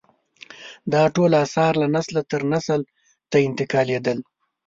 دا ټول اثار له نسله تر نسل ته انتقالېدل.